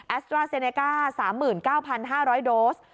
แอฟซ่าซีเนก้า๓๙๕๐๐โดส